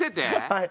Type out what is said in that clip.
はい。